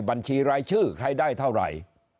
บัญชีรายชื่อใครได้เท่าไหร่